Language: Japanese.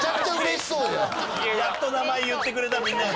やっと名前言ってくれたみんなが。